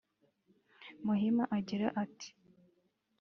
Muhima agira ati